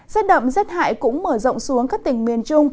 rét đậm rét hại cũng mở rộng xuống các tỉnh miền trung